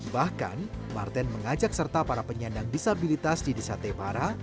bahkan martin mengajak serta para penyandang disabilitas di desa tebara